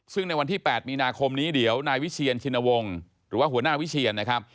ซึ่งในวันที่๘มีนาคมนี้เดี๋ยวนายวิเชียนชินวงศ์หรือว่าหัวหน้าวิเชียนนะครับ